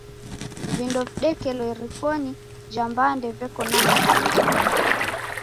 Vindo videkelo irikonyi ja mbande veko na mzingo m'baa.